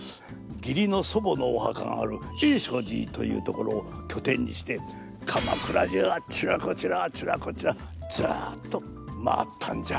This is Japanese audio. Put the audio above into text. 義理の祖母のおはかがある英勝寺という所を拠点にして鎌倉中あちらこちらあちらこちらずっと回ったんじゃ。